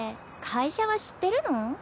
会社は知ってるの？